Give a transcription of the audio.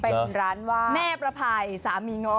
เป็นร้านว่าแม่ประภัยสามีง้อ